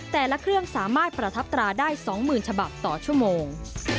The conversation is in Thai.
แต่ละเครื่องสามารถประทับตราได้๒๐๐๐ฉบับต่อชั่วโมง